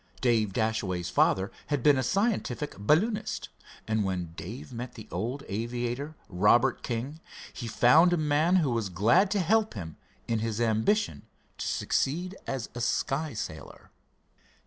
Dave Dashaway's father had been a scientific balloonist, and when Dave met the old aviator, Robert King, he found a man who was glad to help him on in his ambition to succeed as a sky sailor.